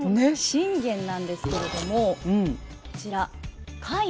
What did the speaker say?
信玄なんですけれどもこちら甲斐